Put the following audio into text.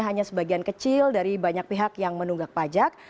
hanya sebagian kecil dari banyak pihak yang menunggak pajak